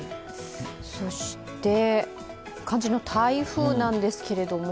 そして肝心の台風なんですけど。